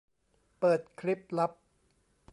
เปิดคลิปลับ